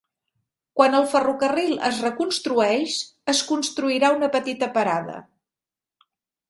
Quan el ferrocarril es reconstrueix, es construirà una petita parada.